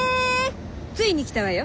ついに来たわよ